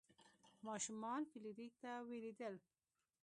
ماشومان فلیریک ته ویرېدل.